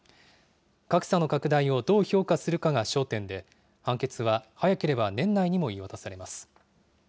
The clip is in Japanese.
格差の拡大をどう評価するかが焦点で、判決は早ければ年内にも言い渡されます。